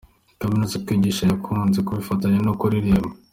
Kuminuza, kwigisha yakunze kubifatanya no kuririmba.